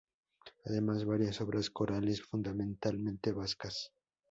Además varias obras corales, fundamentalmente vascas.